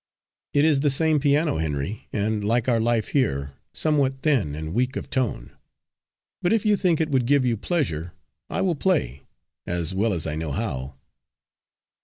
"It is the same piano, Henry, and, like our life here, somewhat thin and weak of tone. But if you think it would give you pleasure, I will play as well as I know how."